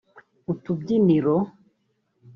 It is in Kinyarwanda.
utubyiniro